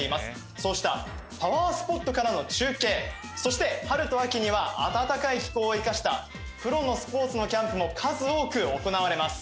そうしたパワースポットからの中継そして春と秋には暖かい気候を生かしたプロのスポーツのキャンプも数多く行われます